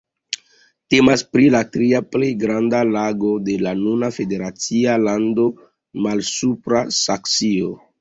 Temas pri la tria plej granda lago de la nuna federacia lando Malsupra Saksio.